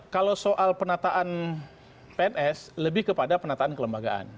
kalau soal penataan pns lebih kepada penataan kelembagaan